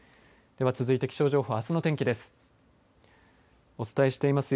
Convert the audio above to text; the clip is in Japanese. では続いて気象情報あすのの天気です。